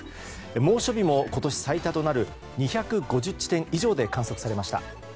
猛暑日も今年最多となる２５０地点以上で観測されました。